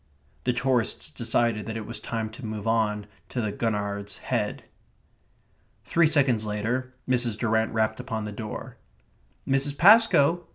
The tourists decided that it was time to move on to the Gurnard's Head. Three seconds later Mrs. Durrant rapped upon the door. "Mrs. Pascoe?"